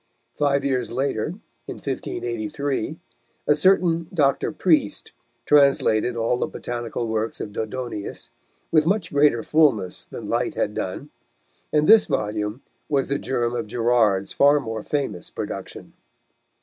Five years later, in 1583, a certain Dr. Priest translated all the botanical works of Dodonaeus, with much greater fulness than Lyte had done, and this volume was the germ of Gerard's far more famous production.